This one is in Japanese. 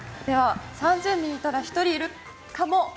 ３０人いたら１人いるかも。